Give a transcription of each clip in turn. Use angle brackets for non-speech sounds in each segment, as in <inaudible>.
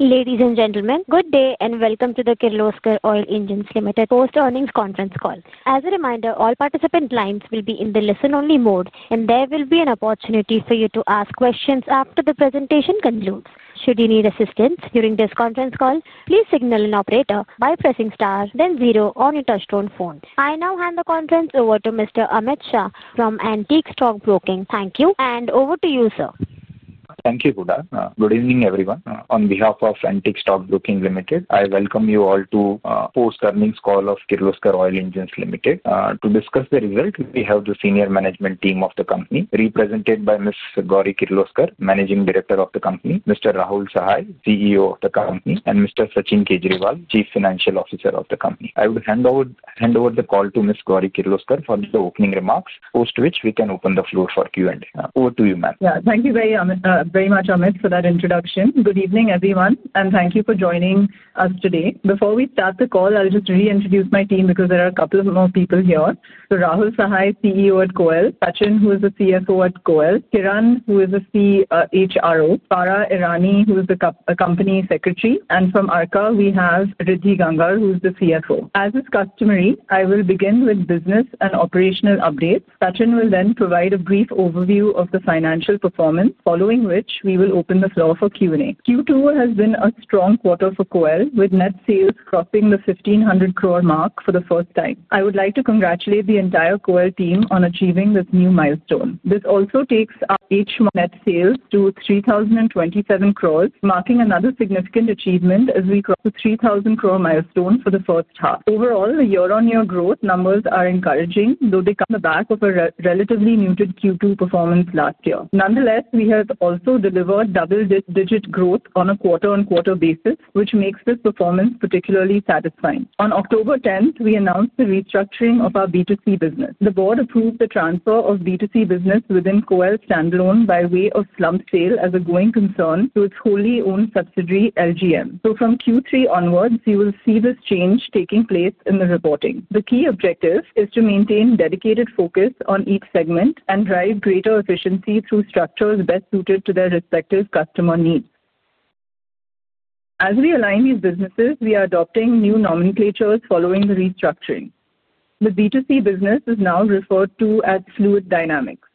Ladies and gentlemen, good day and welcome to the Kirloskar Oil Engines Ltd. post earnings conference call. As a reminder, all participant lines will be in the listen only mode. There will be an opportunity for you to ask questions after the presentation concludes. Should you need assistance during this conference call, please signal an operator by pressing star then zero on your touchstone phone. I now hand the conference over to Mr. Amit Shah from Antique Stockbroking. Thank you. Over to you sir. Thank you, Buddha. Good evening, everyone. On behalf of Antique Stockbroking Ltd., I welcome you all to the post earnings call of Kirloskar Oil Engines Limited to discuss the result, we have the senior management team of the company represented by Ms. Gauri Kirloskar, Managing Director of the company, Mr. Rahul Sahai, CEO of the company, and Mr. Sachin Kejriwal, Chief Financial Officer of the company. I would hand over the call to Ms. Gauri Kirloskar for the opening remarks, post which we can open the floor for Q&A. Over to you, ma'am. Um. Yeah, thank you very very much Amit for that introduction. Good evening everyone and thank you for joining us today. Before we start the call, I'll just reintroduce my team because there are a couple of more people here. So Rahul Sahai, CEO at KOEL, Sachin Kejriwal who is the CFO at KOEL, Kiran who is CHRO, Farah Irani who is the Company Secretary. And from ARCA we have Riddhi Gangar who is the CFO. As is customary, I will begin with business and operational updates. Sachin will then provide a brief overview of the financial performance following which we will open the floor for Q&A. Q2 has been a strong quarter for KOEL with net sales crossing the 1,500 crore mark for the first time. I would like to congratulate the entire KOEL team on achieving this new milestone. This also takes our H1 net sales to 3,027 crore. Marking another significant achievement as we cross the 3,000 crore milestone for the first half. Overall, the year-on-year growth numbers are encouraging. Though they come back of a relatively muted Q2 performance last year. Nonetheless, we have also delivered double-digit growth on a quarter-on-quarter basis. Which makes this performance particularly satisfying. On October 10th, we announced the restructuring of our B2C business. The board approved the transfer of B2C business within KOEL standalone by way of slump sale as a going concern to its wholly owned subsidiary LGM. From Q3 onwards you will see this change taking place in the reporting. The key objective is to maintain dedicated focus on each segment and drive greater efficiency through structures best suited to their respective customer needs. As we align these businesses, we are adopting new nomenclatures. Following the restructuring, the B2C business is now referred to as Fluid Dynamics.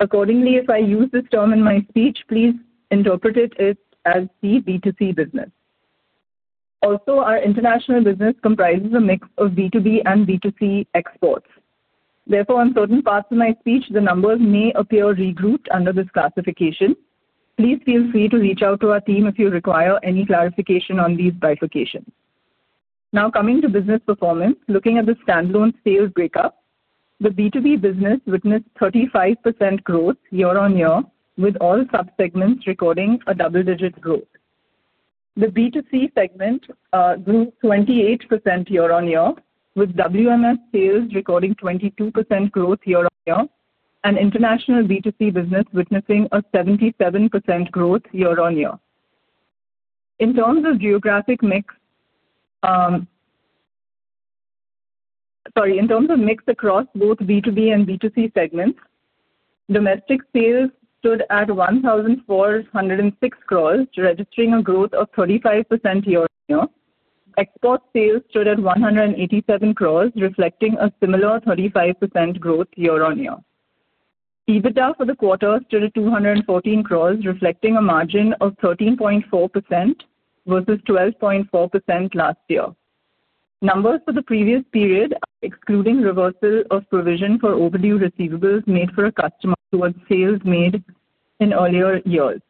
Accordingly, if I use this term in my speech, please interpret it as the B2C business. Also, our international business comprises a mix of B2B and B2C exports. Therefore, on certain parts of my speech, the numbers may appear regrouped under this classification. Please feel free to reach out to our team if you require any clarification on these bifurcations. Now coming to business performance, looking at the standalone sales breakup, the B2B business witnessed 35% growth year-on-year with all subsegments recording a double-digit growth. The B2C segment grew 28% year-on-year with WMS sales recording 22% growth year-on-year, and international B2C business witnessing a 77% growth year-on-year in terms of geographic mix. Sorry, in terms of mix across both B2B and B2C segments, domestic sales stood at 1,406 crore, registering a growth of 35% year-on-year. Export sales stood at 187 crore reflecting a similar 35% growth year-on-year. EBITDA for the quarter stood at 214 crore reflecting a margin of 13.4% versus 12.4% last year. Numbers for the previous period excluding reversal of provision for overdue receivables made for a customer towards sales made in earlier years.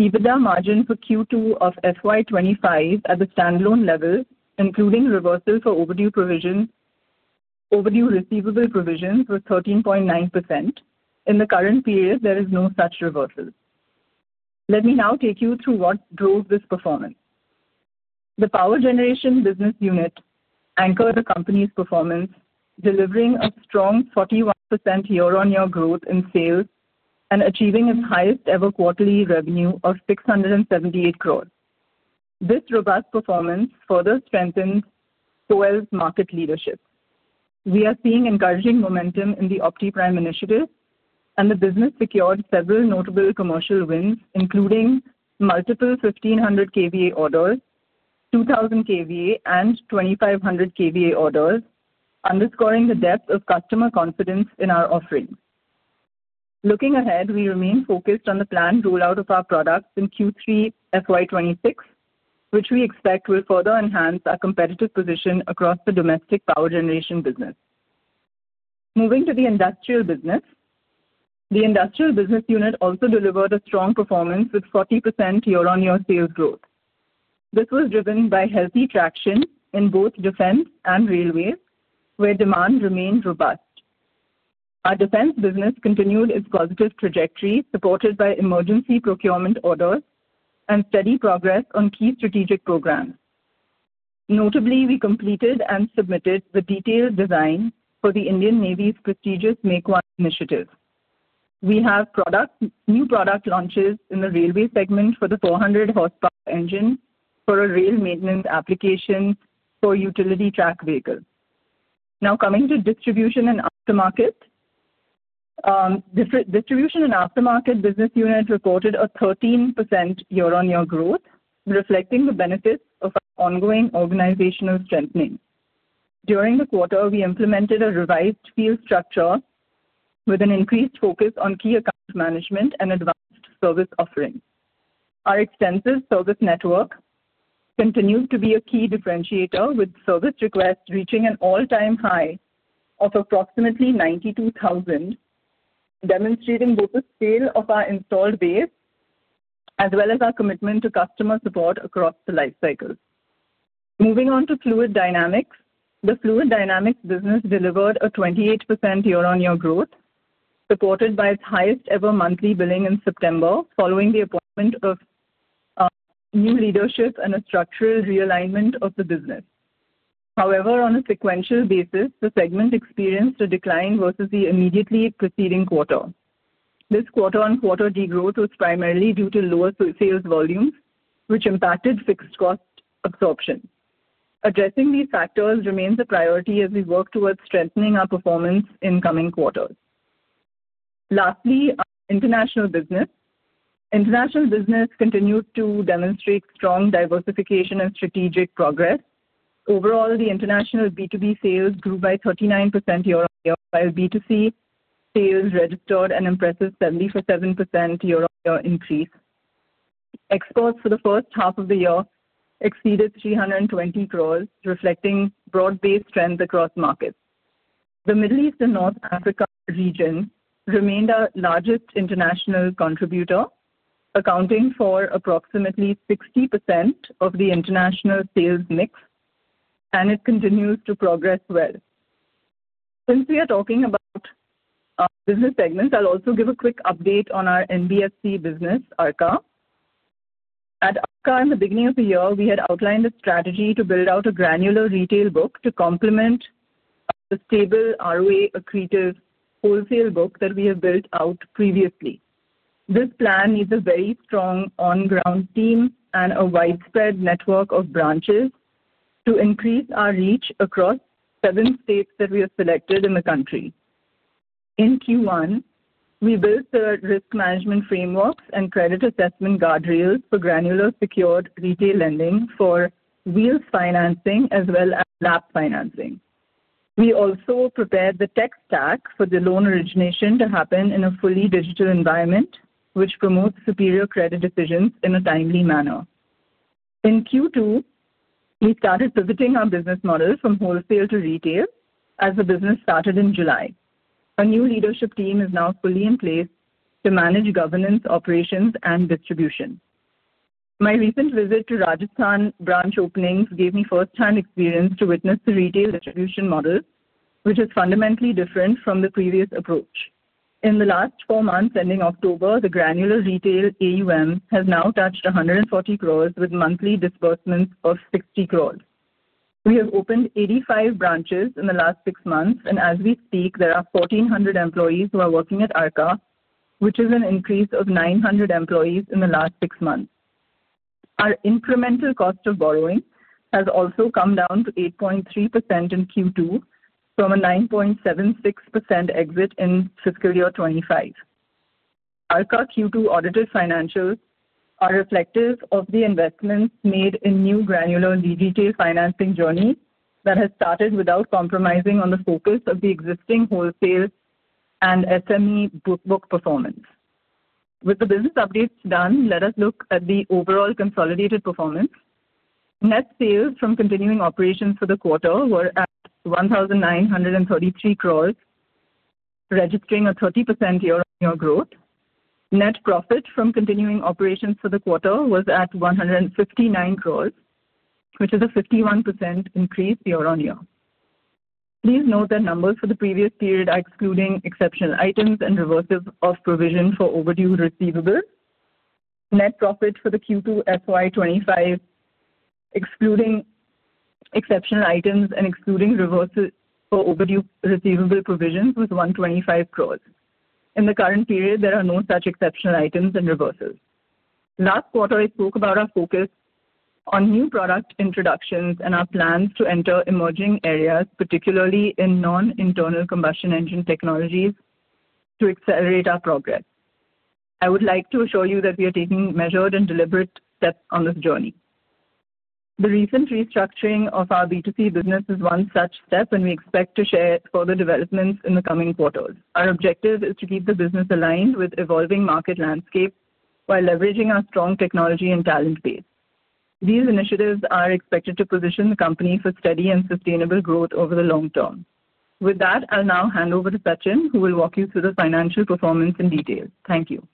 EBITDA margin for Q2 of FY 2025 at the standalone level, including reversal for overdue provisions. Overdue receivable provisions were 13.9% in the current period. There is no such reversal. Let me now take you through what drove this performance. The Power Generation business unit anchored the company's performance, delivering a strong 41% year-on-year growth in sales and achieving its highest ever quarterly revenue of 678 crore. This robust performance further strengthens our market leadership. We are seeing encouraging momentum in the Optiprime initiative and the business secured several notable commercial wins including multiple 1500 KVA orders, 2000 KVA-2500 KVA orders, underscoring the depth of customer confidence in our offerings. Looking ahead, we remain focused on the planned rollout of our products in Q3 FY 2026, which we expect will further enhance our competitive position across the domestic Power Generation business. Moving to the industrial business, the industrial business unit also delivered a strong performance with 40% year-on-year sales growth. This was driven by healthy traction in both defense and railways where demand remained robust. Our defense business continued its positive trajectory supported by emergency procurement orders and steady progress on key strategic programs. Notably, we completed and submitted the detailed design for the Indian Navy's prestigious Make One initiative. We have new product launches in the railway segment for the 400 HP engine for a rail maintenance application for utility track vehicles. Now coming to Distribution and Aftermarket, the Distribution and Aftermarket business unit reported a 13% year-on-year growth, reflecting the benefits of ongoing organizational strengthening. During the quarter, we implemented a revised field structure with an increased focus on key account management and advanced service offerings. Our extensive service network continued to be a key differentiator, with service requests reaching an all-time high of approximately 92,000, demonstrating both the scale of our installed base as well as our commitment to customer support across the life cycle. Moving on to Fluid Dynamics, the Fluid Dynamics business delivered a 28% year-on-year growth, supported by its highest ever monthly billing in September following the appointment of new leadership and a structural realignment of the business. However, on a sequential basis, the segment experienced a decline versus the immediately preceding quarter. This quarter-on-quarter degrowth was primarily due to lower sales volumes, which impacted fixed cost absorption. Addressing these factors remains a priority as we work towards strengthening our performance in coming quarters. Lastly, international business continued to demonstrate strong diversification and strategic progress. Overall, the international B2B sales grew by 39% year-on-year, while B2C sales registered an impressive 74.7% year-over-year increase. Exports for the first half of the year exceeded 320 crore, reflecting broad-based trends across markets. The Middle East and North Africa region remained our largest international contributor, accounting for approximately 60% of the international sales mix, and it continues to progress well. Since we are talking about business segments, I'll also give a quick update on our LDFC business ARCA. At ARCA, in the beginning of the year we had outlined a strategy to build out a granular retail book to complement the stable ROA accretive wholesale book that we have built out previously. This plan needs a very strong on-ground team and a widespread network of branches to increase our reach across seven states that we have selected in the country. In Q1 we built the risk management frameworks and credit assessment guardrails for granular secured retail lending, for wheels financing as well as LAP financing. We also prepared the tech stack for the loan origination to happen in a fully digital environment which promotes superior credit decisions in a timely manner. In Q2 we started pivoting our business model from wholesale to retail. As the business started in July, a new leadership team is now fully in place to manage governance, operations, and distribution. My recent visit to Rajasthan branch openings gave me first hand experience to witness the retail distribution model which is fundamentally different from the previous approach. In the last four months ending October, the granular retail AUM has now touched 140 crore with monthly disbursements of 60 crores. We have opened 85 branches in the last six months and as we speak there are 1,400 employees who are working at ARCA which is an increase of 900 employees in the last six months. Our incremental cost of borrowing has also come down to 8.3% in Q2 from a 9.76% exit in fiscal year 2025. ARCA Q2 audited financials are reflective of the investments made in new granular lead detail financing journey that has started without compromising on the focus of the existing wholesale and SME book performance. With the business updates done, let us look at the overall consolidated performance. Net sales from continuing operations for the quarter were at 1,933 crore registering a 30% year-on-year growth. Net profit from continuing operations for the quarter was at 159 crore, which is a 51% increase year-on-year. Please note that numbers for the previous period are excluding exceptional items and reversals of provision for overdue receivables. Net profit for Q2 FY 2025 excluding exceptional items and excluding reversal for overdue receivable provisions was 125 crore. In the current period there are no such exceptional items and reversals. Last quarter I spoke about our focus on new product introductions and our plans to enter emerging areas, particularly in non-internal combustion engine technologies. To accelerate our progress, I would like to assure you that we are taking measured and deliberate steps on this journey. The recent restructuring of our B2C business is one such step and we expect to share further developments in the coming quarters. Our objective is to keep the business aligned with evolving market landscape while leveraging our strong technology and talent base. These initiatives are expected to position the company for steady and sustainable growth over the long term. With that, I'll now hand over to Sachin who will walk you through the financial performance in detail. Thank you.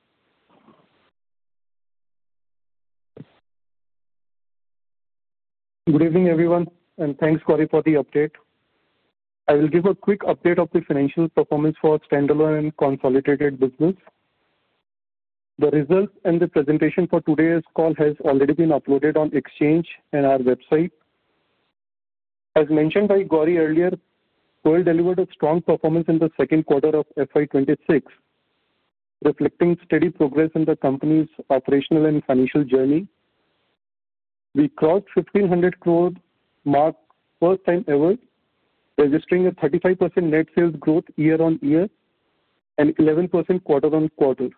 Good evening everyone and thanks Gauri for the update. I will give a quick update of the financial performance for standalone and consolidated business. The results and the presentation for today's call has already been uploaded on Exchange and our website as mentioned by Gauri earlier. KOEL delivered a strong performance in the second quarter of FY 2026 reflecting steady progress in the company's operational and financial journey. We crossed 1,500 crore mark first time ever, registering a 35% net sales growth year-on-year and 11% quarter-on-quarter.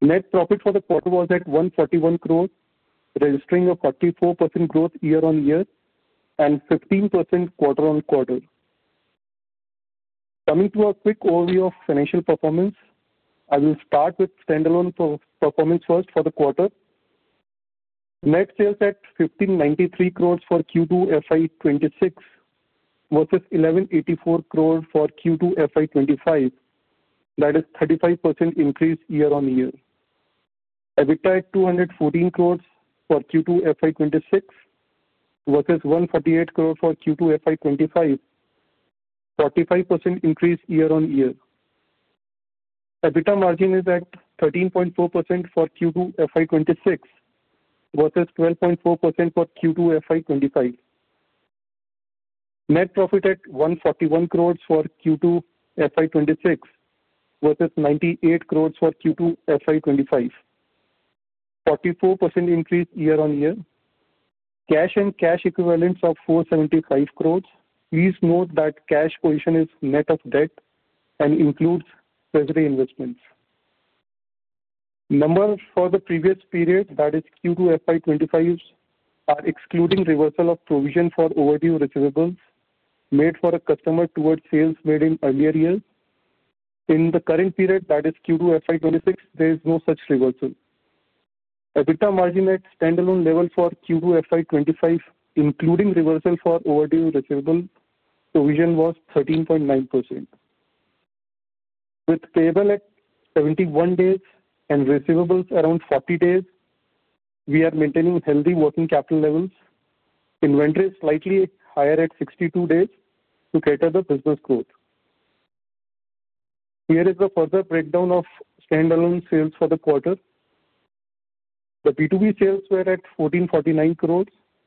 Net profit for the quarter was at 141 crore, registering a 44% growth year-on-year and 15% quarter-on-quarter. Coming to a quick overview of financial performance, I will start with standalone performance first for the quarter. Net sales at 1,593 crore for Q2 FY 2026 versus 1,184 crore for Q2 FY 2025 that is 35% increase year-on-year. EBITDA at INR 214 crore Q2 FY 2026 vs. 148 crore for Q2 FY 2025, 45% increase year-on-year. EBITDA margin is at 13.4% Q2 FY 2026 vs. 12.4% for Q2 FY 2025. Net profit at 141 crore Q2 FY 2026 vs. 98 crore for Q2 FY 2025, 44% increase year-on-year. Cash and cash equivalents of 475 crore. Please note that cash position is net of debt and includes treasury investments. Number for the previous period, i.e. Q2 FY 2025, is excluding reversal of provision for overdue receivables made for a customer towards sales made in earlier years. In the current period, Q2 FY 2026, there is no such reversal. EBITDA margin at standalone level for Q2 FY 2025 including reversal for overdue receivable provision was 13.9% with payable at 71 days and receivables around 40 days. We are maintaining healthy working capital levels. Inventory is slightly higher at 62 days to cater the business growth. Here is a further breakdown of standalone sales for the quarter. The B2B sales were at 1,449 crore,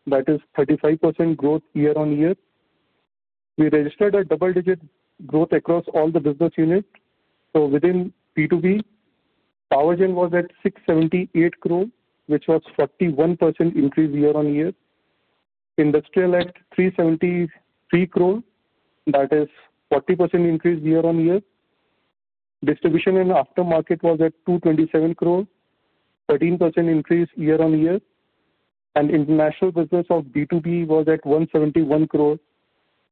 that is 35% growth year-on-year. We registered a double-digit growth across all the business units, so within B2B, Power Gen was at 678 crore, which was a 41% increase year-on-year. Industrial at 373 crore, that is a 40% increase year-on-year. Distribution and aftermarket was at 227 crore, 13% increase year-on-year, and international business of B2B was at 171 crore,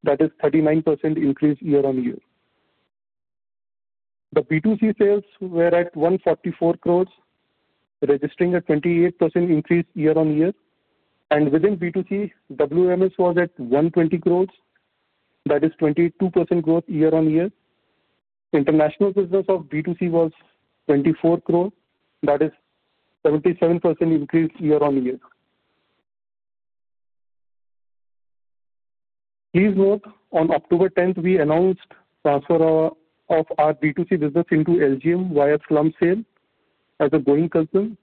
that is a 39% increase year-on-year. The B2C sales were at 144 crore, registering a 28% increase year-on-year, and within B2C, WMS was at 120 crore, that is 22% growth year-on-year. International business of B2C was 24 crore, that is a 77% increase year-on-year. Please note, on October 10th we announced transfer of our B2C business into LGM via slump sale as a going concern.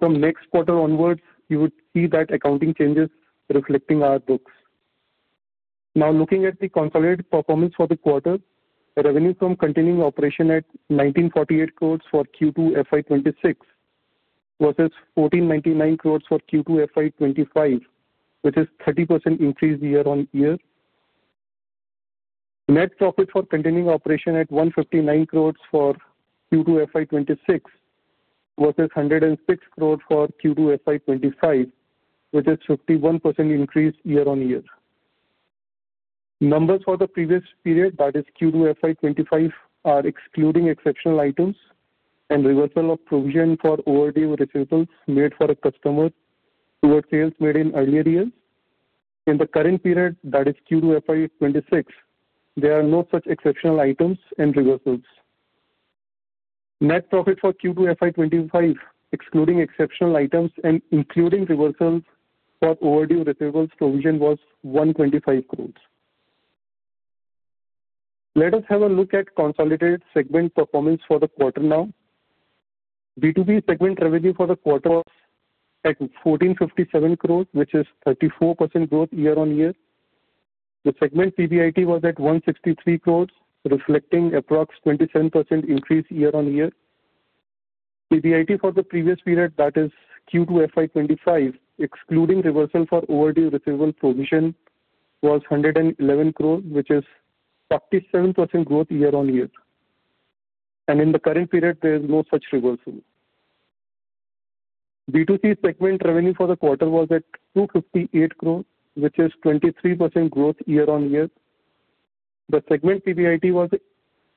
From next quarter onwards you would see that accounting changes reflecting in our books. Now looking at the consolidated performance for the quarter, revenue from continuing operation at 1,948 crore Q2 FY 2026 versus 1,499 crore for Q2 FY 2025 which is 30% increase year-on-year. Net profit for continuing operation at INR 159 crore Q2 FY 2026 versus INR 106 crore for Q2 FY 2025 which is 51% increase year-on-year. Numbers for the previous period, i.e. Q2 FY 2025, are excluding exceptional items and reversal of provision for overdue receivables made for a customer towards sales made in earlier years. In the current period, Q2 FY 2026, there are no such exceptional items and reversals. Net profit for Q2 FY 2025 excluding exceptional items and including reversals for overdue receivables provision was 125 crore. Let us have a look at consolidated segment performance for the quarter now. B2B segment revenue for the quarter was at 1,457 crore which is 34% growth year-on-year. The segment PBIT was at 163 crore reflecting approximately 27% increase year-on-year. PBIT for the previous period, i.e., Q2 FY 2025 excluding reversal for overdue receivable provision, was 111 crore which is 47% growth year-on-year and in the current period there is no such reversal. B2C segment revenue for the quarter was at 258 crore which is 23% growth year-on-year. The segment PBIT was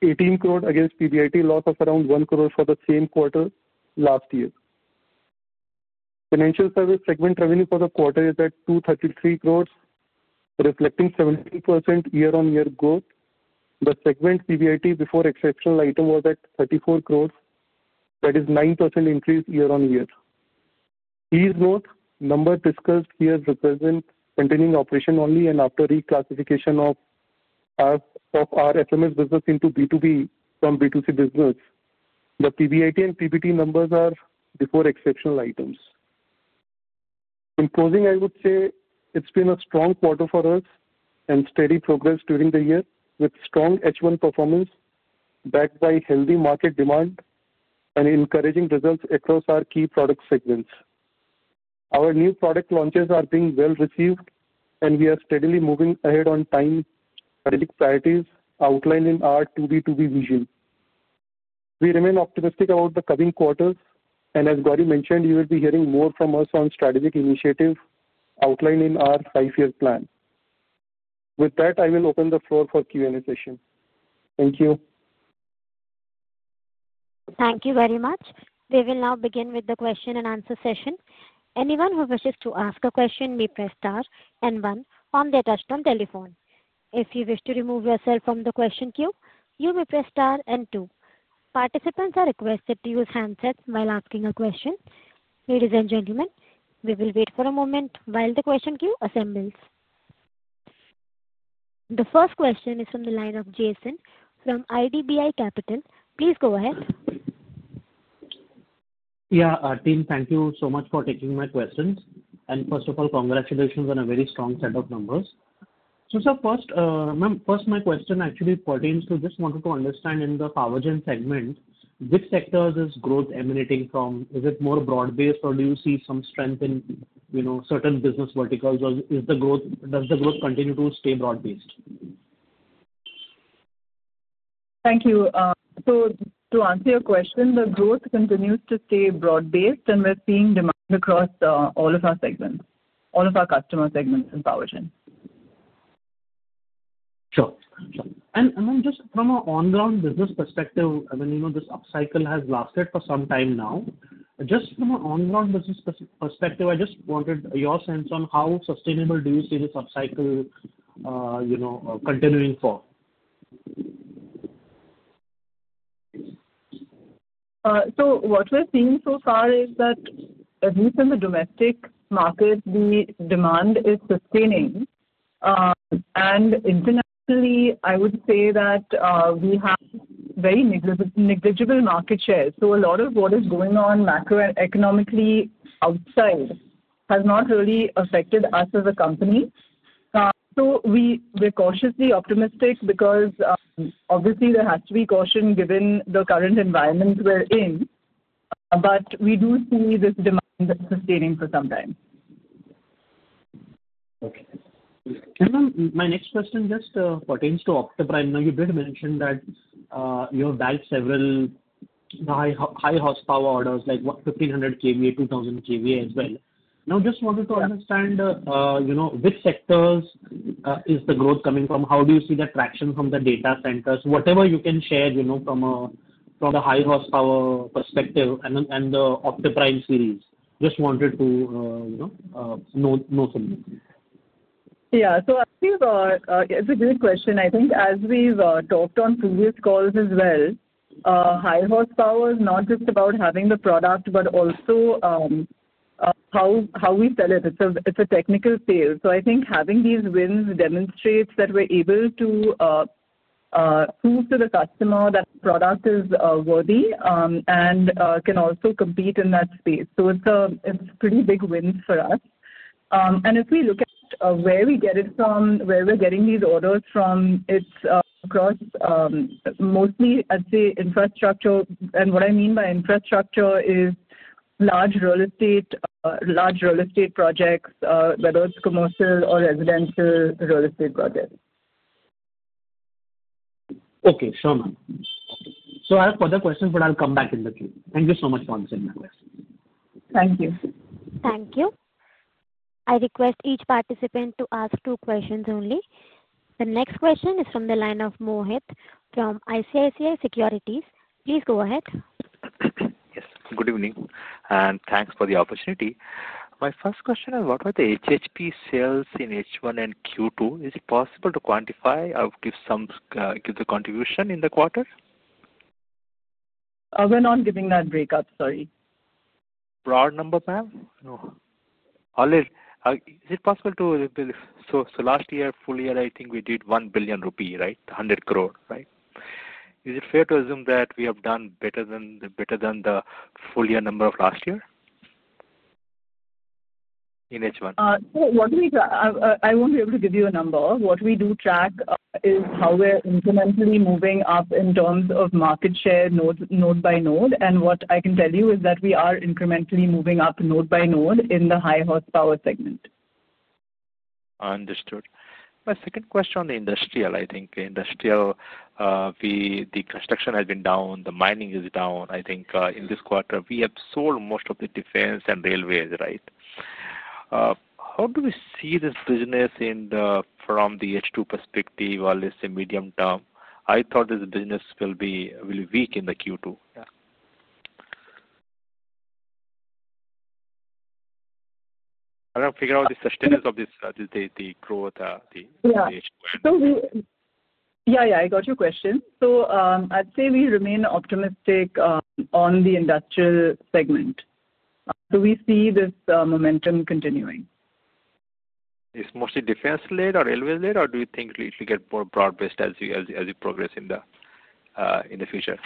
18 crore against PBIT loss of around 1 crore for the same quarter last year. Financial service segment revenue for the quarter is at 233 crore reflecting 72% year-on-year growth. The segment PBIT before exceptional item was at 34 crore that is 9% increase year-on-year. Please note, numbers discussed here represent continuing operation only and after reclassification of our RSMS business into B2B from B2C business, the PBIT and PBT numbers are before exceptional items. In closing, I would say it's been a strong quarter for us and steady progress during the year with strong H1 performance backed by healthy market demand and encouraging results across our key product segments. Our new product launches are being well received and we are steadily moving ahead on time outlined in our 2B2B vision. We remain optimistic about the coming quarters and as Gauri mentioned, you will be hearing more from us on strategic initiative outlined in our five year plan. With that, I will open the floor for Q&A session. Thank you. Thank you very much. We will now begin with the question and answer session. Anyone who wishes to ask a question may press star and one on the attached telephone. If you wish to remove yourself from the question queue, you may press star and two. Participants are requested to use handsets while asking a question. Ladies and gentlemen, we will wait for a moment while the question queue assembles. The first question is from the line of Jason from IDBI Capital, please go ahead. Yeah team, thank you so much for taking my questions and first of all, congratulations on a very strong set of numbers. Sir, first, my question actually pertains to, just wanted to understand in the Power Gen segment, which sectors is growth emanating from? Is it more broad based or do you see some strength in certain business verticals or does the growth continue to stay broad based? Thank you. To answer your question, the growth continues to stay broad based and we're seeing demand across all of our segments, all of our customer segments in Power Gen. Sure. Just from an ongoing business perspective, I mean, you know, this upcycle has lasted for some time now. Just from an ongoing business perspective, I just wanted your sense on how sustainable do you see this upcycle continuing for. What we're seeing so far is that at least in the domestic market the demand is sustaining and internationally I would say that we have very negligible market share. A lot of what is going on macro and economically outside has not really affected us as a company. We're cautiously optimistic because obviously there has to be caution given the current environment we're in. We do see this demand sustaining for some time. My next question just pertains to Optiprime. Now you did mention that you have backed several highorders like 1500 KVA-2000 KVA as well. Now just wanted to understand, you know, which sectors is the growth coming from? How do you see the traction from the data centers, whatever you can share. You know, from a. From the high horsepower perspective and the Optiprime series. Just wanted to know something. Yeah, so it's a great question. I think as we've talked on previous calls as well, high horsepower is not just about having the product but also how we sell it. It's a technical sale. I think having these wins demonstrates that we're able to prove to the customer that product is worthy and can also compete in that space. It's pretty big wins for us. If we look at where we get it from, where we're getting these orders from, it's across mostly, I'd say, infrastructure, and what I mean by infrastructure is large real estate, large real estate projects, whether it's commercial or residential real estate projects. Okay, sure, ma'am. I have further questions but I'll. Come back in the queue. Thank you so much for answering my question. Thank you. Thank you. I request each participant to ask two questions only. The next question is from the line of Mohit from ICICI Securities. Please go ahead. Yes, good evening and thanks for the opportunity. My first question is what are the HHP sales in H1 and Q2? Is it possible to quantify or give some, give the contribution in the quarter. We're not giving that breakup. Sorry, broad number, Ma'am. No. Is it possible to? Last year, full year, I think we did 1 billion rupee. Right. 100 crore. Right. Is it fair to assume that we have done better than the full year number of last year in H1? I won't be able to give you a number. What we do track is how we're incrementally moving up in terms of market share node by node. What I can tell you is that we are incrementally moving up node by node in the high horsepower segment. Understood. My second question on the industrial, I think industrial. The construction has been down, the mining is down. I think in this quarter we have sold most of the defense and railways. Right. How do we see this business in the, from the H2 perspective or let's say medium term? I thought this business will be really weak in the Q2. I don't figure out the sustainance of this. Yeah, yeah, I got your question. I'd say we remain optimistic. On the industrial segment, do we see this momentum continuing? It's mostly defense led or railway. Or do you think it will get more broad based as you progress in the. In the future?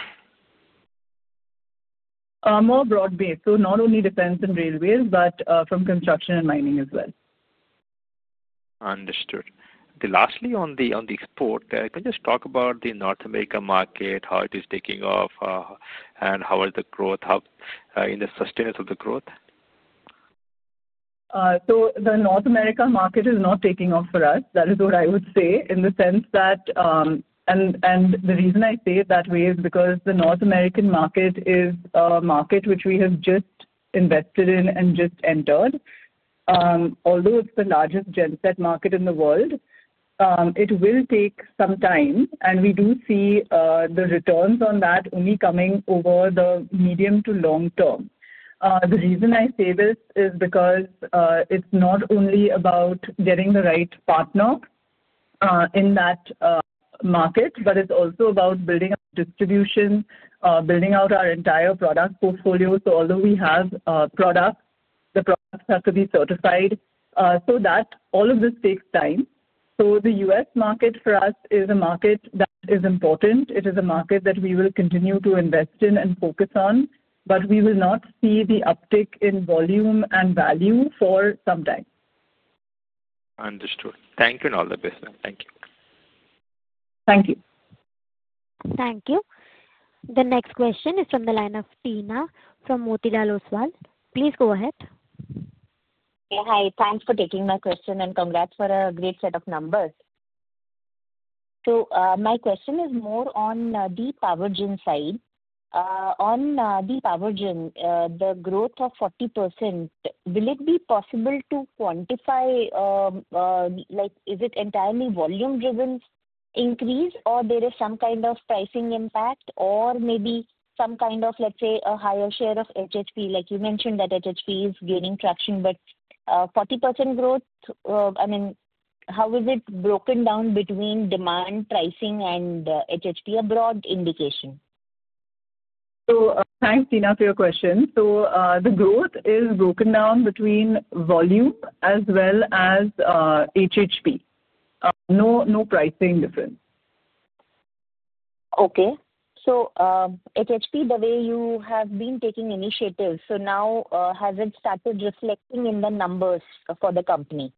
More broad based. Not only defense and railways but from construction and mining as well. Understood. Lastly, on the export, can you just talk about the North America market, how it is taking off and how are the growth in the sustainance of the growth? The North America market is not taking off for us. That is what I would say in the sense that the North American market is a market which we have just invested in and just entered. Although it is the largest genset market in the world, it will take some time and we do see the returns on that only coming over the medium to long term. The reason I say this is because it is not only about getting the right partner in that market, but it is also about building distribution, building out our entire product portfolio. Although we have products, the products have to be certified so all of this takes time. The U.S. market for us is a market that is important. It is a market that we will continue to invest in and focus on, but we will not see the uptick in volume and value for some time. Understood. Thank you and all the best. Thank you. Thank you. Thank you. The next question is from the line of Tina from Motilal Oswal. Please go ahead. Hi, thanks for taking my question and congrats for a great set of numbers. My question is more on the Power Gen side. On the Power Gen, the growth of 40%—will it be possible to quantify, like is it entirely volume driven increase or is there some kind of pricing impact or maybe some kind of, let's say, a higher share of HHP? Like you mentioned that HHP is gaining traction, but 40% growth, I mean, how is it broken down between demand, pricing, and HHP? A broad indication. Thanks, Tina, for your question. The growth is broken down between volume as well as HHP. No, no pricing difference. Okay. HHP, the way you have been taking initiatives, has it started reflecting in the numbers for the company?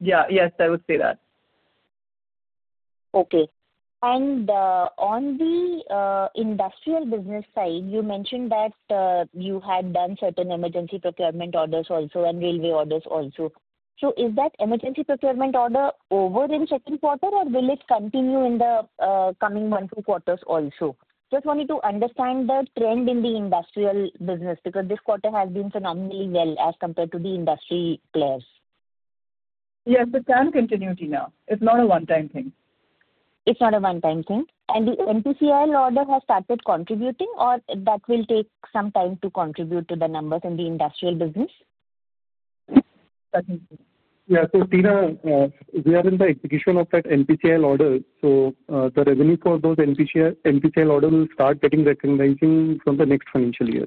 Yeah. Yes, I would say that. Okay. On the industrial business side you mentioned that you had done certain emergency procurement orders also and railway orders also. Is that emergency procurement order over in second quarter or will it continue in the coming month? Two quarters? Also just wanted to understand the trend in the industrial business because this quarter has been phenomenally well as compared to the industry players. Yes, it can continue, Tina. It's not a one time thing. It's not a one time thing. The NPCL order has started contributing or that will take some time to contribute to the numbers in the industrial business. Yeah. Tina, we are in the execution of that NPCL order. The revenue for those NPCL orders will start getting recognized from the next financial year.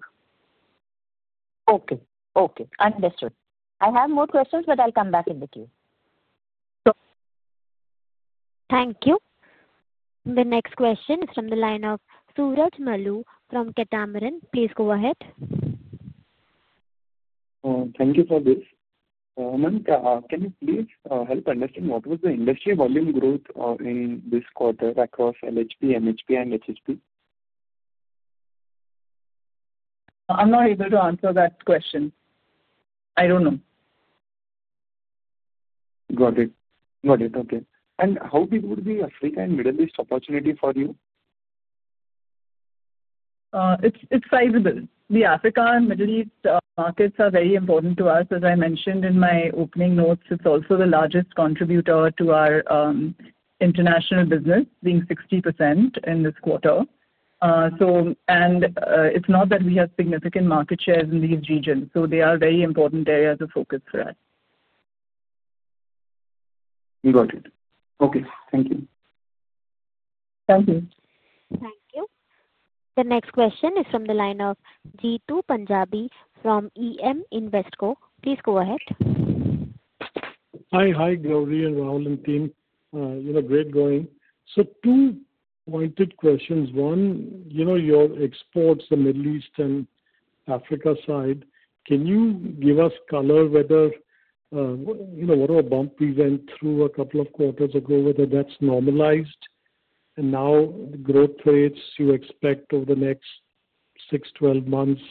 Okay. Okay, understood. I have more questions but I'll come. Back in the queue. <crosstalk> Thank you. The next question is from the line of Suraj Malu from Catamaran. Please go ahead. Thank you for this. Can you please help understand what was? The industry volume growth in this quarter. Across LHP, MHP and HHP? I'm not able to answer that question. I don't know. Got it, got it. Okay. How big would be Africa and Middle East opportunity for you? It's sizable. The Africa and Middle East markets are very important to us. As I mentioned in my opening notes, it's also the largest contributor to our international business being 60% in this quarter. So. It is not that we have significant market shares in these regions. They are very important areas of focus for us. You got it? Okay. Thank you. Thank you. Thank you. The next question is from the line of Jeetu Punjabi from EM Investco. Please go ahead. Hi. Hi. Gauri and Rahul and team, you know, great going. Two pointed questions. One, you know, your exports, the Middle East and Africa side, can you give us color whether, you know, whatever bump we went through a couple of quarters ago, whether that's normalized and now growth rates you expect over the next 6-12 months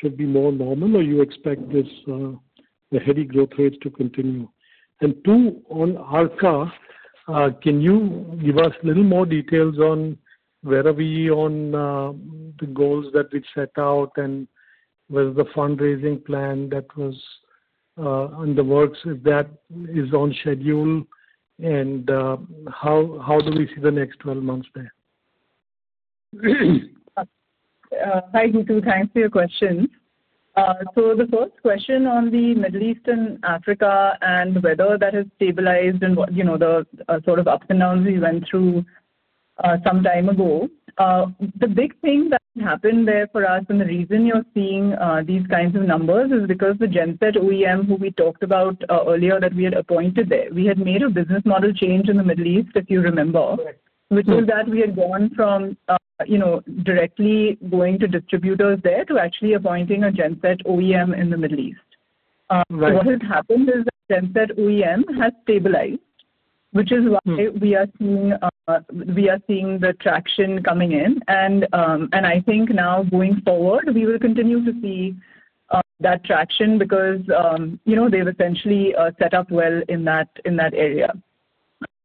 should be more normal or you expect this, the heavy growth rates to continue. Two, on ARCA, can you give us little more details on where are we on the goals that we set out and was the fundraising plan that was in the works, if that is on schedule and how do we see the next 12 months there? Hi Jeetu, thanks for your question. The first question on the Middle East and Africa and whether that has stabilized and the sort of ups and downs we went through some time ago, the big thing that happened there for us, and the reason you're seeing these kinds of numbers is because the genset OEM who we talked about earlier that we had appointed there, we had made a business model change in the Middle East, if you remember, which is that we had gone from directly going to distributors there to actually appointing a genset OEM in the Middle East. What has happened is that genset OEM has stabilized, which is why we are seeing the traction coming in. I think now going forward we will continue to see that traction because they've essentially set up well in that area.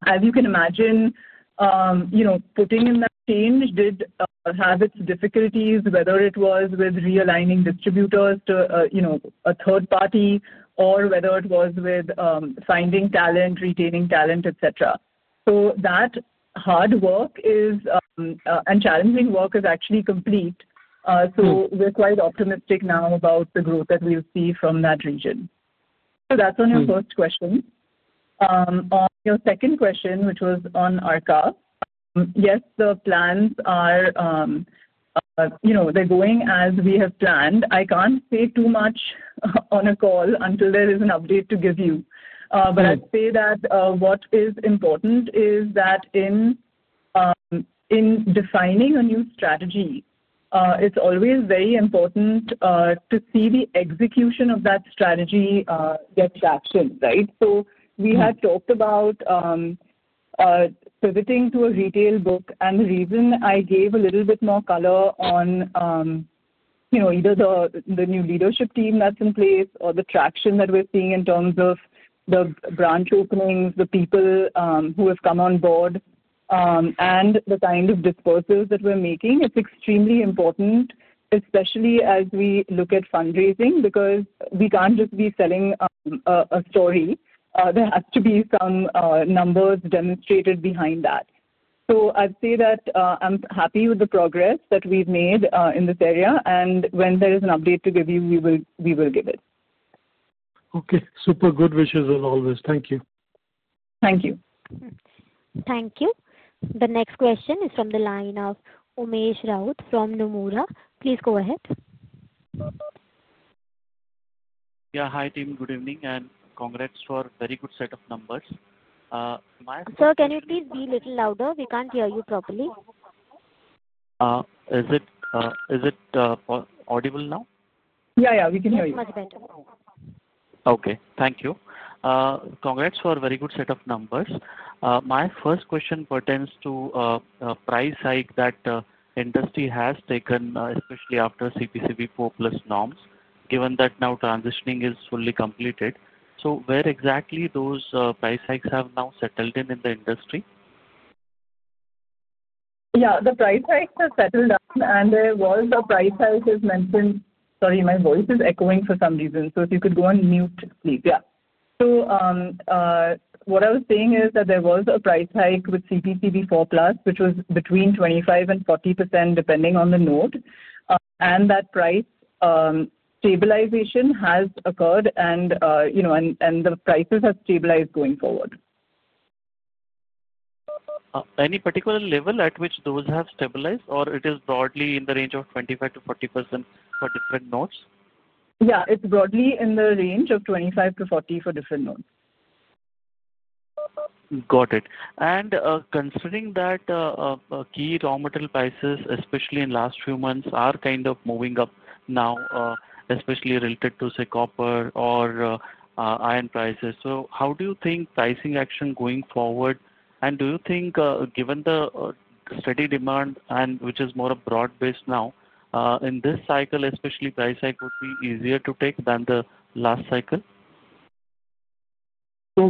As you can imagine, putting in that change did have its difficulties, whether it was with realigning distributors to a third party or whether it was with finding talent, retaining talent, etc. That hard work and challenging work is actually complete. We are quite optimistic now about the growth that we will see from that region. That is on your first question. On your second question, which was on ARCA, yes, the plans are, you know, they are going as we have planned. I cannot say too much on a call until there is an update to give you. I would say that what is important is that in defining a new strategy, it is always very important to see the execution of that strategy get traction. We had talked about pivoting to a retail book, and the reason I gave a little bit more color on either the new leadership team that's in place or the traction that we're seeing in terms of the branch openings, the people who have come on board, and the kind of disposals that we're making. It's extremely important, especially as we look at fundraising, because we can't just be selling a story. There has to be some numbers demonstrated behind that. I'd say that I'm happy with the progress that we've made in this area. When there is an update to. Give you, we will give it. Okay, super good wishes as always. Thank you. Thank you. Thank you. The next question is from the line of Umesh Raut from Nomura. Please go ahead. Yeah. Hi team. Good evening and congrats for very good set of numbers. Sir, can you please be a little louder? We can't hear you properly. Is it audible now? Yeah, yeah, we can hear you. Okay, thank you. Congrats for a very good set of numbers. My first question pertains to price hike that industry has taken, especially after CPCB4+ norms, given that now transitioning is fully completed. Where exactly those price hikes have now settled in? In the industry? Yeah, the price hikes have settled down and there was a price, as mentioned. Sorry, my voice is echoing for some reason, so if you could go on mute. Yeah, what I was saying is that there was a price hike with CPCB4+ which was between 25%-40% depending on the node, and that price stabilization has occurred and, you know, the prices have stabilized going forward. Any particular level at which those have stabilized or it is broadly in the range of 25%-40% for different notes? Yeah, it's broadly in the range of 25%-40 %for different nodes. Got it. Considering that key raw material prices, especially in the last few months, are kind of moving up now, especially related to, say, copper or iron prices, how do you think pricing action going forward? Do you think given the steady demand, which is more broad based now in this cycle, especially, price hike would be easier to take than the last cycle? We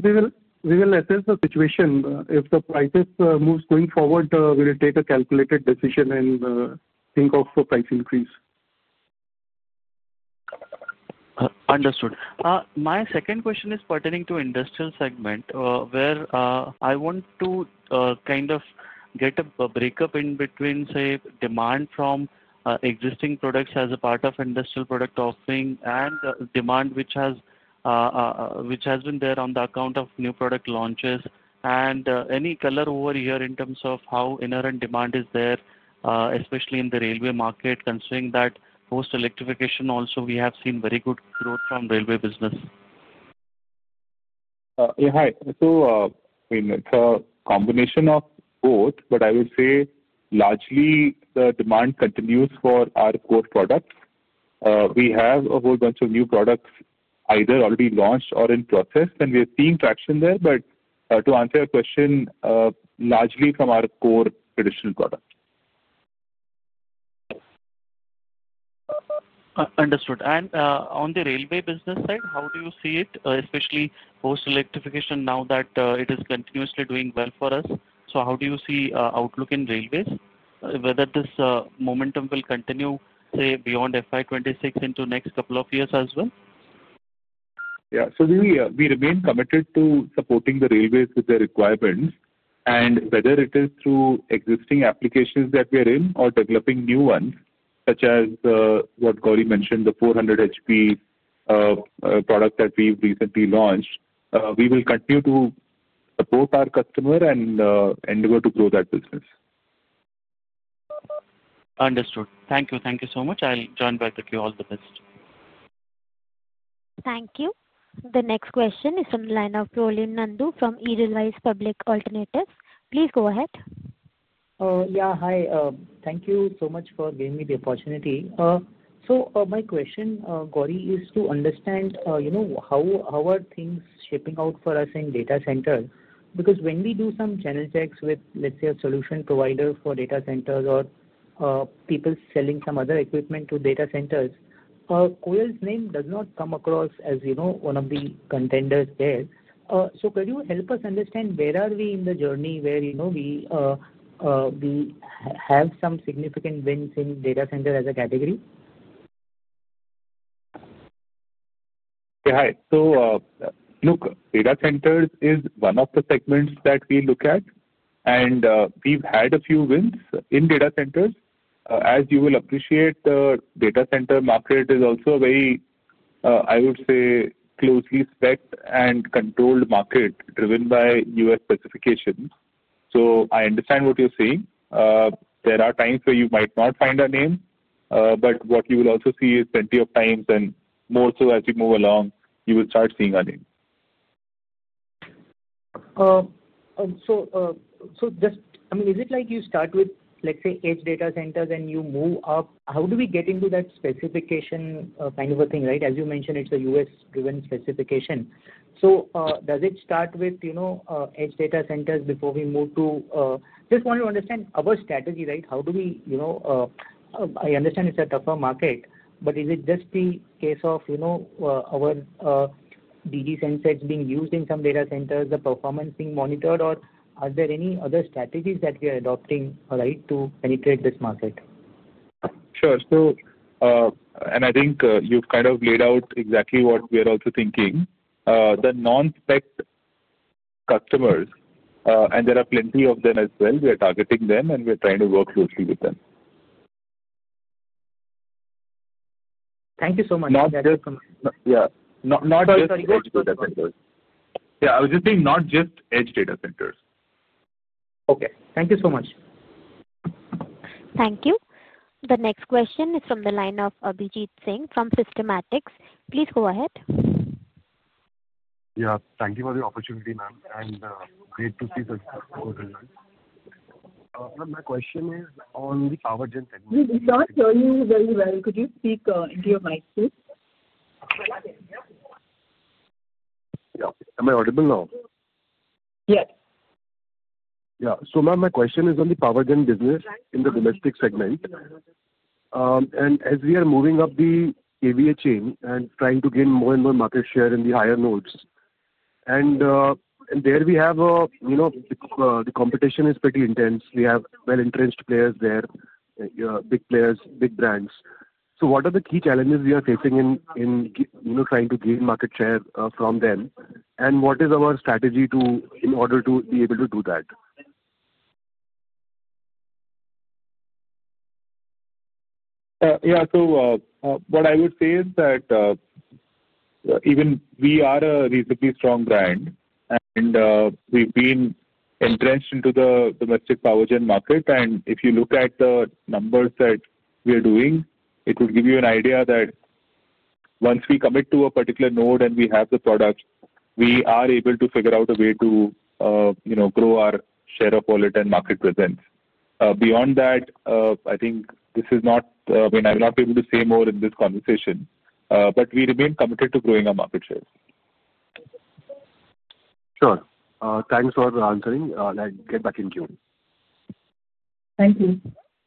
will assess the situation. If the prices move going forward, we will take a calculated decision and think of a price increase. Understood. My second question is pertaining to industrial segment where I want to kind of get a breakup in between say demand from existing products as a part of industrial product offering and demand which has been there on the account of new product launches and any color over here in terms of how inherent demand is there, especially in the railway market. Considering that post electrification also we have seen very good growth from railway business. Hi. It's a combination of both, but I would say largely the demand continues for our core products. We have a whole bunch of new products either already launched or in process and we are seeing traction there. To answer your question, largely from our core traditional product. Understood. On the railway business side, how do you see it, especially post electrification now that it is continuously doing well for us? How do you see outlook in railways, whether this momentum will continue, say beyond FY 2026 into next couple of years as well? Yeah. We remain committed to supporting the railways with their requirements, and whether it is through existing applications that we are in or developing new ones, such as what Gauri mentioned, the 400 HP product that we recently launched, we will continue to support our customer and endeavor to grow that business. Understood. Thank you. Thank you so much. I'll join back with you. All the best. Thank you. The next question is from the line of Prolin Nandu from Edelweiss Public Alternatives. Please go ahead. Yeah. Hi. Thank you so much for giving me the opportunity. My question, Gauri, is to understand, you know, how are things shaping out for us in data center because when we do some channel checks with, let's say, a solution provider for data centers or people selling some other equipment to data centers, KOEL's name does not come across as, you know, one of the contenders there. Could you help us understand where are we in the journey where, you know, we have some significant wins in data center as a category. Hi. Look, data centers is one of the segments that we look at and we've had a few wins in data centers. As you will appreciate, the data center market is also very, I would say, closely spec and controlled market driven by U.S. specifications. I understand what you're saying. There are times where you might not find our name. What you will also see is plenty of times, and more so as you move along, you will start seeing our name. Just, I mean, is it like. You start with, let's say, edge data centers and you move up. How do we get into that specification kind of a thing? Right. As you mentioned, it's a U.S.-driven specification. Does it start with, you know, edge data centers before we move to—just want to understand our strategy. Right. How do we, you know, I understand it's a tougher market, but is it just the case of, you know, our DG sensors being used in some data centers, the performance being monitored, or are there any other strategies that we are adopting, right, to penetrate this market? Sure. I think you've kind of laid out exactly what we are also thinking. The non spec customers, and there are plenty of them as well, we are targeting them and we're trying. To work closely with them. Thank you so much. <crosstalk> Yeah, I was just saying not just edge data centers. Okay, thank you so much. Thank you. The next question is from the line of Abhijeet Singh from Systematix. Please go ahead. Yeah, thank you for the opportunity, ma'am. Am, and great to see. The. Question is on the Power Gen segment. We can't hear you very well. Could you speak into your mic please? Am I audible now? Yes. Yeah. Ma'am, my question is on the Power Gen business in the domestic segment and as we are moving up the value chain and trying to gain more and more market share in the higher nodes and there we have, you know, the competition is pretty intense. We have well-entrenched players there, big players, big brands. What are the key challenges we. Are facing in trying to gain market share from them and what is our strategy to? In order to be able to do that? Yeah, so what I would say is that even we are a reasonably strong brand and we've been entrenched into the domestic Power Gen market and if you look at the numbers that we are doing, it would give you an idea that once we commit to a particular node and we have the product, we are able to figure out a way to grow our share of wallet and market presence. Beyond that, I think this is not. I will not be able to say more in this conversation, but we remain committed to growing our market share. Sure. Thanks for answering. I'll get back in queue. Thank you.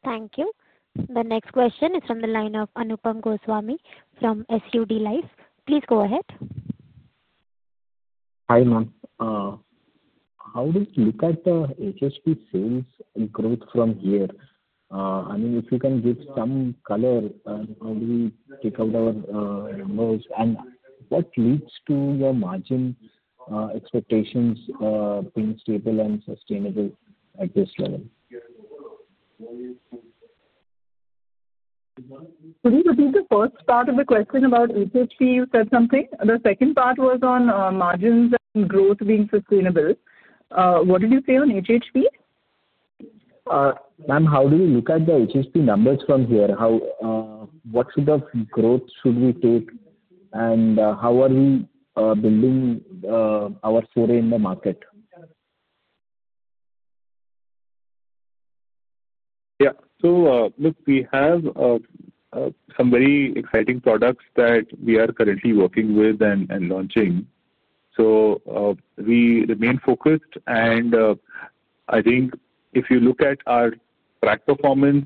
Thank you. The next question is from the line of Anupam Goswami from SUD Life. Please go ahead. Hi ma'am. How do we look at the HHP sales growth from here? I mean, if you can give some color, how do we take out our numbers and what leads to your margin expectations being stable and sustainable at this level? The first part of the question about HHP, you said something. The second part was on margins and growth being sustainable. What did you say on HHP? Ma'am, how do we look at the HHP numbers from here? What sort of growth should we take and how are we building our story in the market? Yeah, so look, we have some very exciting products that we are currently working with and launching. We remain focused and I think if you look at our track performance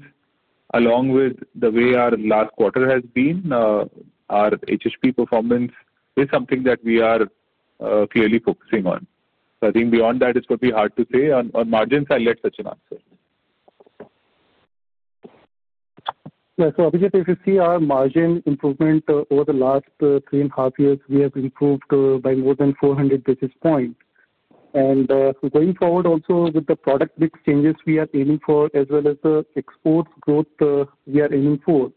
along with the way our last quarter has been, our HSP performance is something that we are clearly focusing on. I think beyond that it's going to be hard to say on margins. I'll let Sachin answer. If you see our margin improvement over the last three and a half years, we have improved by more than 400 basis points. Going forward, also with the product mix changes we are aiming for as well as the exports growth we are aiming for,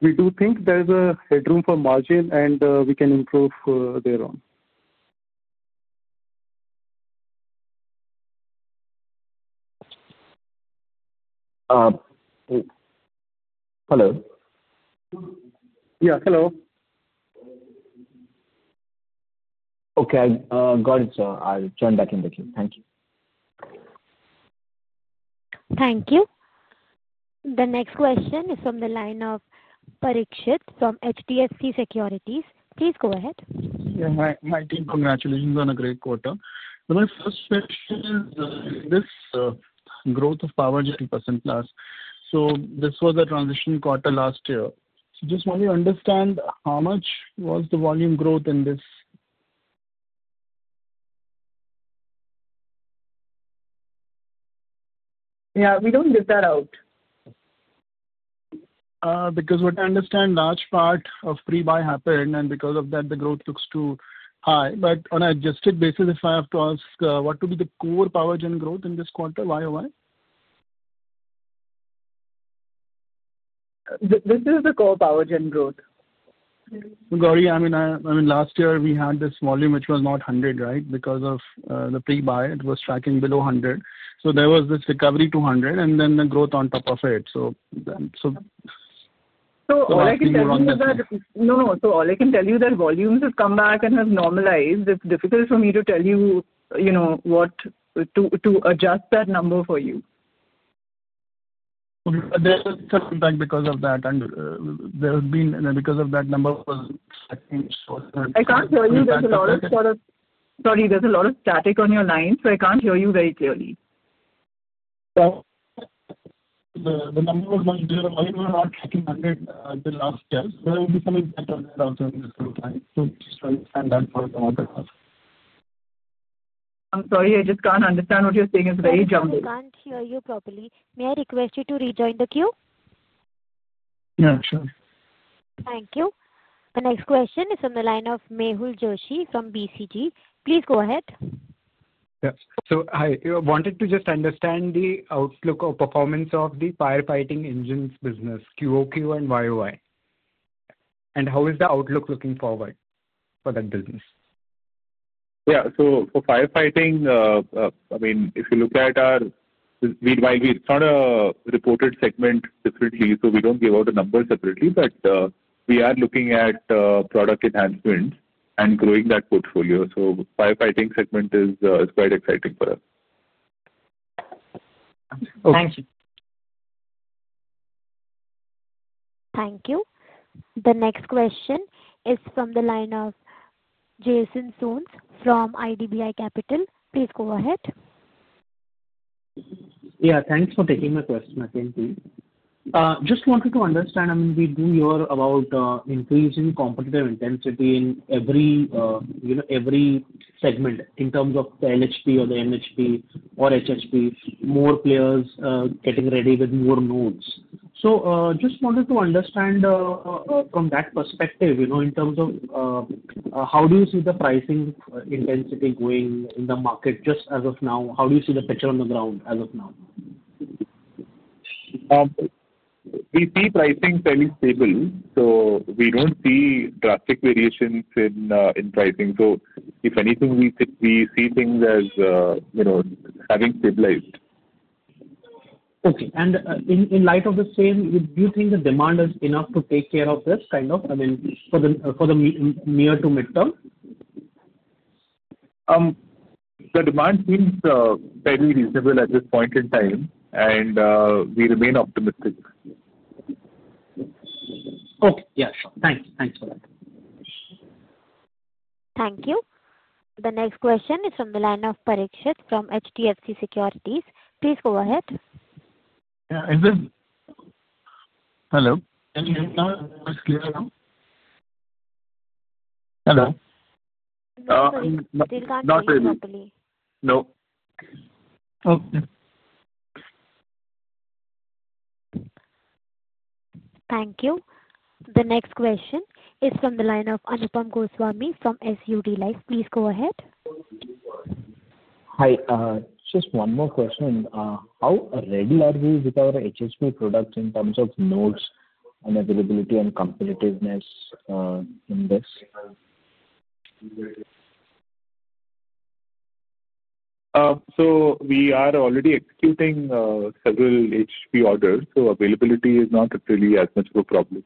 we do think there is a headroom for margin and we can improve thereon. Hello? Yeah, hello. Okay, got it sir. I'll turn back in the queue. Thank you. Thank you. The next question is from the line of Parikshit from HDFC Securities. Please go ahead. My team, congratulations on a great quarter. My first question is this growth of Power Generation. This was a transition quarter last year. Just want to understand how much was. The volume growth in this. Yeah, we don't get that out. Because. What I understand large part of pre. Buy happened and because of that the growth looks too high. On an adjusted basis if I have to ask what to be the. Core Power Gen growth in this quarter. YoY? This is the core Power Gen growth. I mean, last year we. Had this volume which was not 100 basis points, right? Because of the pre buy it was tracking below 100. So there was this recovery to 100 basis points and then the growth on top of it. So. All I can tell you that volumes have come back and have normalized. It's difficult for me to tell you, you know what to adjust that number. For you because of that. There has been, because of that number. <crosstalk> I can't hear you. There's a lot of, sorry, there's a lot of static on your line. I can't hear you very clearly. <crosstalk> I'm sorry, I just can't understand what you're saying. It's very jumbled. I can't hear you properly. May I request you to rejoin the queue? Yeah, sure. Thank you. The next question is on the line of Mehul Joshi from BCG. Please go ahead. Yes, so I wanted to just understand the outlook or performance of the firefighting engines business, QoQ and Yui and how. Is the outlook looking forward for that business? Yeah, so for firefighting, I mean if you look at our, it's not a reported segment differently, so we don't give out a number separately, but we are looking at product enhancements and growing that portfolio. So firefighting segment is quite exciting for us. Thank you. Thank you. The next question is from the line of Jason Soans from IDBI Capital. Please go ahead. Yeah, thanks for taking my question again. Just wanted to understand, I mean, we. Do hear about increasing competitive intensity in every, you know, every segment in terms of the LHP or the NHP or HHP, more players getting ready with more nodes. Just wanted to understand from that perspective, you know, in terms of how do you see the pricing intensity going in the market just as of now, how do you see the picture on the ground? As of now. We see pricing fairly stable. We don't see drastic variations in pricing. If anything, we see things as having stabilized. Okay. In light of the same, do. You think the demand is enough to take care of this kind of? I mean for the near to midterm. The demand seems fairly reasonable at this point in time and we remain optimistic. Okay, yeah, sure. Thanks. Thanks for that. Thank you. The next question is from the line of Parikshit from HDFC Securities. Please go ahead. Hello. Hello. <crosstalk> Thank you. The next question is from the line of Anupam Goswami from SUD Life. Please go ahead. Hi, just one more question. How ready are we with our HHP products in terms of nodes and competitiveness in this? We are already executing several HP orders, so availability is not really as much of a problem.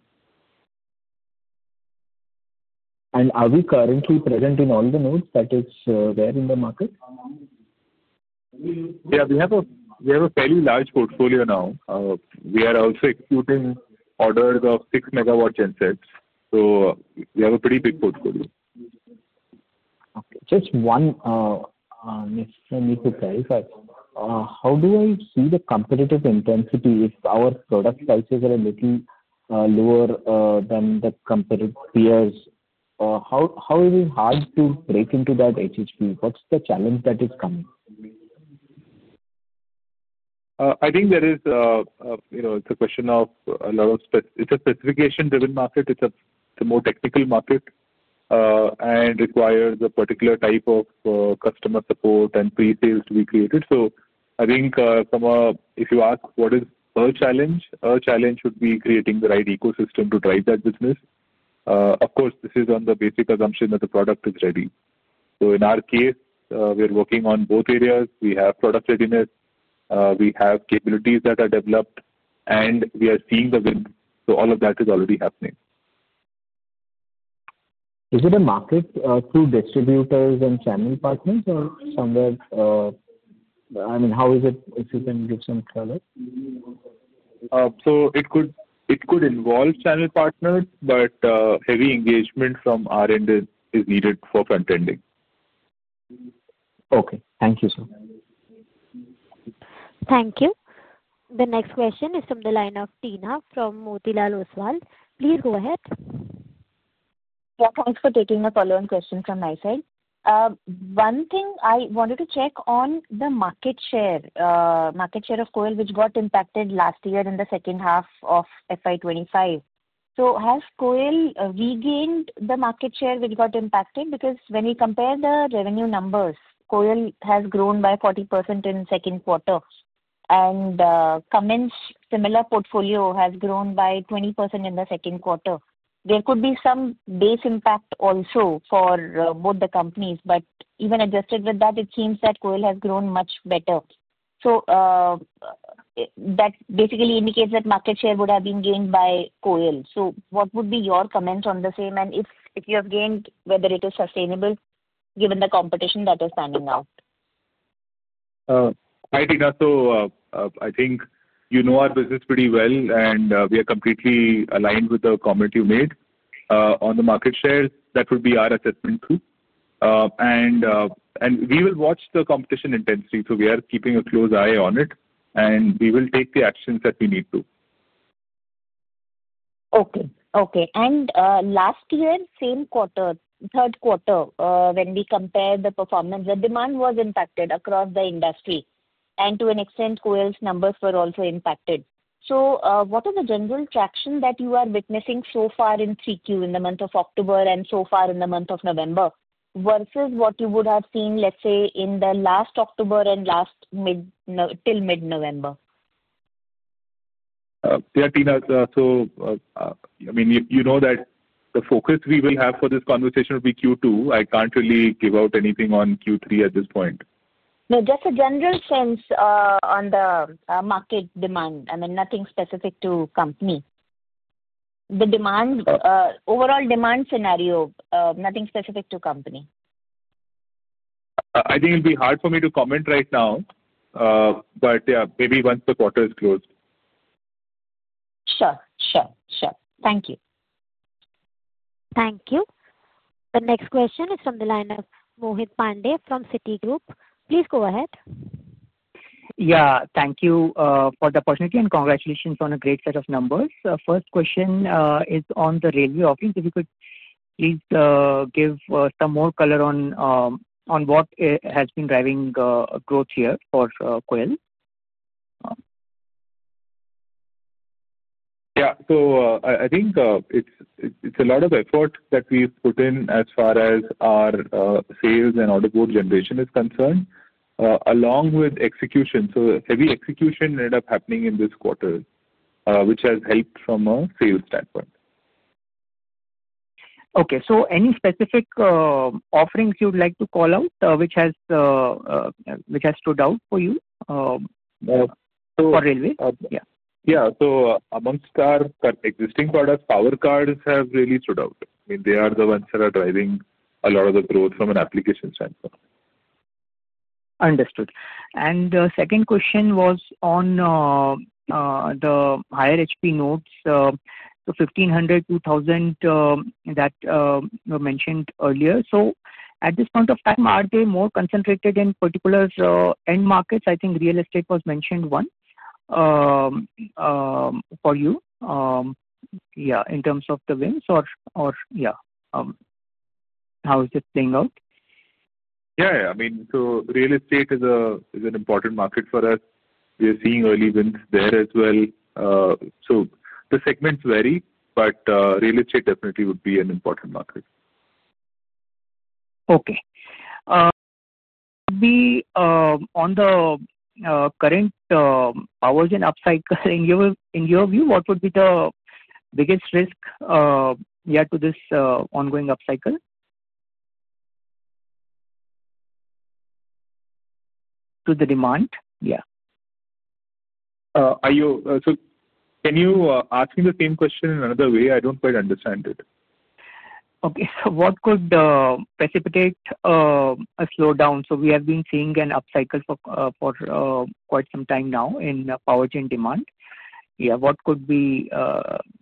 Are we currently present in all the nodes that is there in the market? <crosstalk> Yeah, we have a. We have a fairly large portfolio now. We are also putting orders of 6 MW Gensets. So we have a pretty big portfolio. Just one. If I need to clarify, how do I see the competitive intensity if our product prices are a little lower than the competitive peers? How is it hard to break into that HHP? What's the challenge that is coming? I think there is, you know, it's a question of a lot of. It's a specification-driven market. It's a more technical market and requires a particular type of customer support and. Pre sales to be created. I think from a, if you ask what is a challenge, a challenge should be creating the right ecosystem to drive that business. Of course, this is on the basic assumption that the product is ready. In our case, we are working on both areas. We have product readiness, we have capabilities that are developed, and we are seeing the wind. All of that is already happening. Is it a market through distributors and channel partners or somewhere? I mean, how is it if you can give some color? It could involve channel partners. However, heavy engagement from R&D is needed for front ending. Okay, thank you sir. Thank you. The next question is from the line of Tina from Motilal Oswal. Please go ahead. Yeah, thanks for taking a follow on question from my side. One thing I wanted to check on the market share. Market share of KOEL which got impacted last year in the second half of 2025. Has KOEL regained the market share which got impacted? Because when we compare the revenue numbers, KOEL has grown by 40% in the second quarter. And Cummins similar portfolio has grown by 20% in the second quarter. There could be some base impact also. For both the companies. Even adjusted with that, it seems that KOEL has grown much better. That basically indicates that market share would have been gained byKOEL. What would be your comment on the same and if you have gained, whether it is sustainable given the competition that is standing out? I think you know our business pretty well and we are completely aligned with the comment you made on the market share. That would be our assessment too. We will watch the competition intensity. We are keeping a close eye on it and we will.take the actions that we need to. Okay, okay. Last year, same quarter, third quarter, when we compare the performance, the demand was impacted across the industry and to an extent KOEL's numbers were also impacted. What is the general traction that you are witnessing so far in 3Q in the month of October and so far in the month of November versus what you would have seen, let's say in the last October and last till mid November? Yeah, Tina. I mean, you know that the focus we will have for this conversation will be Q2. I can't really give out anything on Q3 at this point. No, just a general sense on the market demand. I mean nothing specific to company. The overall demand scenario, nothing specific to company. I think it'll be hard for me to comment right now, but yeah, maybe once the quarter is closed. Sure, sure. Thank you. Thank you. The next question is from the line of Mohit Pandey from Citigroup. Please go ahead. Yeah, thank you for the opportunity and congratulations on a great set of numbers. First question is on the railway offerings. If you could please give some more color on what has been driving growth here for KOEL. Yeah, so I think it's a lot of effort that we've put in as far as our sales and audit board generation is concerned along with execution. Heavy execution ended up happening in this quarter, which has helped from a sales standpoint. Okay, so any specific offerings you'd like to call out, which has stood out for you? Yeah. So amongst our existing products, power cars have really stood out. They are the ones that are driving a lot of the growth from an application standpoint. Understood. The second question was on the higher HP nodes. So 1500 KVA-2000 KVA that you mentioned earlier. At this point of time, are they more concentrated in particular end markets? I think real estate was mentioned once. For you. Yeah. In terms of the wins or. Or. Yeah. How is it playing out? <crosstalk> Yeah, I mean, real estate is an important market for us. We are seeing early wins there as well. The segments vary. Real estate definitely would be an important market. Okay. On the current hours and upcycle, in your view, what would be the biggest risk yet to this ongoing upcycle? To the demand? Yeah. Are you. Can you ask me the same question in another way? I do not quite understand it. Okay, so what could precipitate a slowdown? We have been seeing an upcycle for quite some time now in Power Gen demand. Yeah. What could be,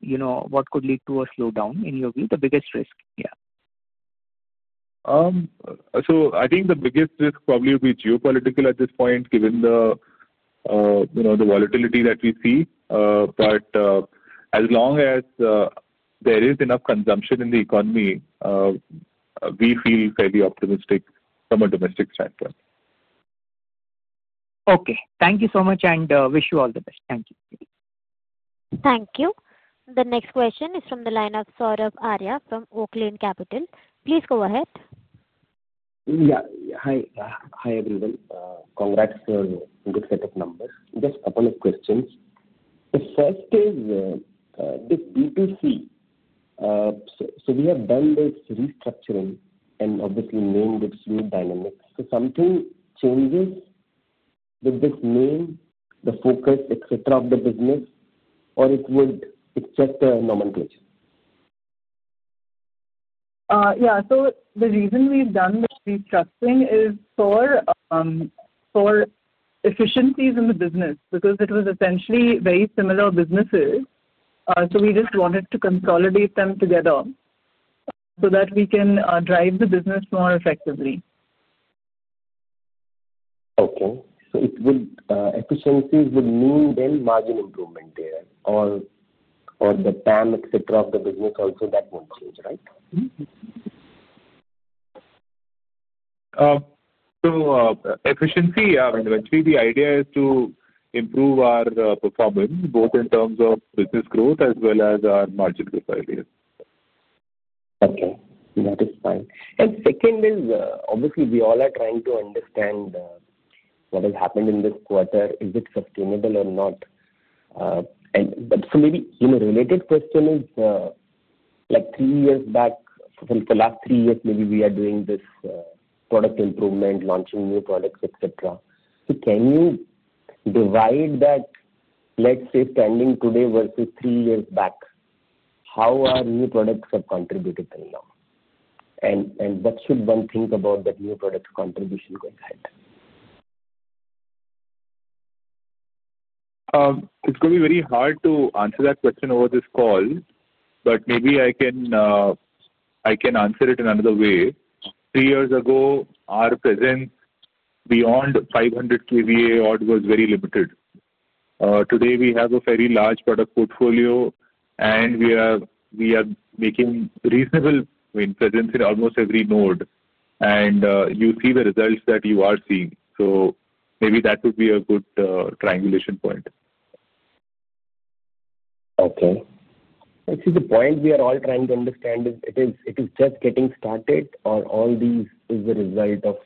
you know, what could. Lead to a slowdown, in your view? The biggest risk? Yeah. I think the biggest risk probably will be geopolitical at this point given the volatility that we see. But as long as there is enough consumption in the economy, we feel fairly optimistic from a domestic standpoint. Okay, thank you so much and wish. You all the best. Thank you. Thank you. The next question is from the line of Sourabh Arya from Oaklane Capital. Please go ahead. Yeah. Hi. Hi everyone. Congrats. This set of numbers. Just a couple of questions. The first is this B2C. So we have done this restructuring and obviously named it Fluid Dynamics. So something changes with this name. The focus, etc. of the business or it would. It's just a nomenclature. Yeah. The reason we've done the restructuring is for efficiencies in the business because it was essentially very similar businesses. We just wanted to consolidate them together so that we can drive the business more effectively. Okay. It will efficiencies would mean then margin improvement there or the TAM et cetera of the business also that won't change, right? Efficiency, eventually the idea is to improve our performance both in terms of business growth as well as our margin profile. Okay, that is fine. Second is obviously we all are trying to understand what has happened in this quarter. Is it sustainable or not? Maybe related question is like three years back, the last three years maybe we are doing this product improvement, launching new products, etc. Can you divide that, let's say standing today versus three years back, how our new products have contributed till now and what should one think about that new product contribution? <crosstalk> It's going to be very hard to answer that question over this call. Maybe I can answer it in another way. Three years ago our presence beyond 500 KVA odd was very limited. Today we have a very large product portfolio and we are making reasonable presence in almost every node and you see the results that you are seeing. Maybe that would be a good triangulation point. Okay, this is the point we are all trying to understand. Is it just getting started or are all these the result of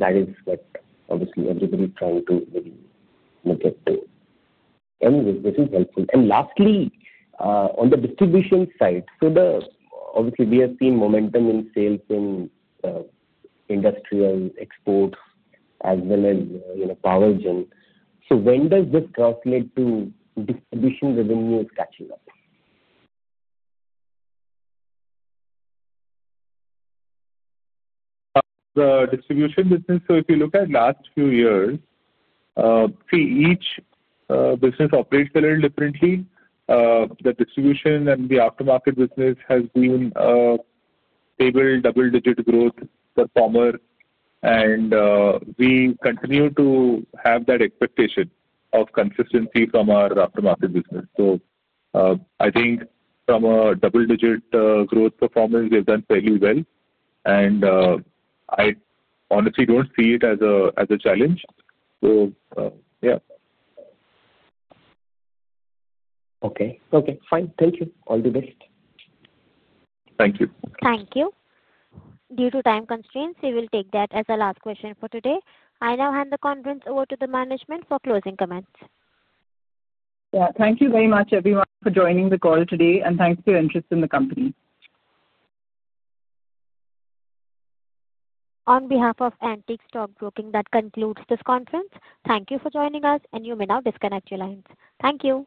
that is what obviously everybody is trying to look at? This is helpful. Lastly, on the distribution side, obviously we have seen momentum in sales in industrial export as well as Power Gen. When does this cross lead to distribution revenues catching up? The distribution business? If you look at last few. Years, see each business operates a little differently. The distribution and the aftermarket business has. Been stable double digit growth performer and we continue to have that expectation of consistency from our aftermarket business. I think from a double digit growth performance they've done fairly well and I honestly don't see it as a challenge. Yeah. Okay. Okay, fine. Thank you. All the best. Thank you. Thank you. Due to time constraints we will take that as a last question for today. I now hand the conference over to the management for closing comments. Thank you very much everyone for joining the call today and thanks for your interest in the company. On behalf of Antique Stockbroking, that concludes this conference. Thank you for joining us and you may now disconnect your lines. Thank you.